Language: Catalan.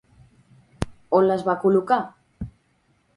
On les va col·locar?